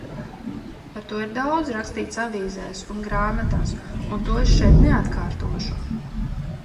Par to ir daudz rakstīts avīzēs un grāmatās un to es šeit neatkārtošu.